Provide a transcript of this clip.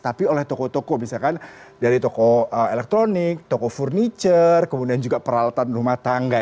tapi oleh toko toko misalkan dari toko elektronik toko furniture kemudian juga peralatan rumah tangga